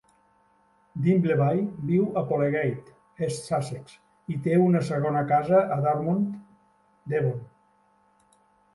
Dimbleby viu a Polegate, East Sussex, i té una segona casa a Dartmouth, Devon.